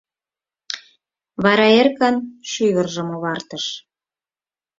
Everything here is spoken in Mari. Вара эркын шӱвыржым овартыш.